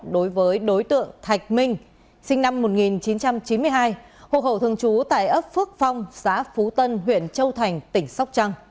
đối với đối tượng thạch minh sinh năm một nghìn chín trăm chín mươi hai hộ khẩu thường trú tại ấp phước phong xã phú tân huyện châu thành tỉnh sóc trăng